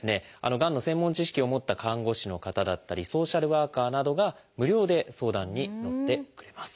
がんの専門知識を持った看護師の方だったりソーシャルワーカーなどが無料で相談にのってくれます。